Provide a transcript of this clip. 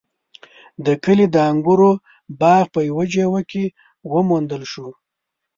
د کلي د انګورو باغ په يوه جیوه کې وموندل شو.